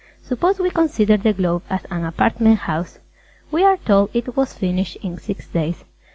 Suppose we consider the Globe as an Apartment House. We are told it was finished in six days.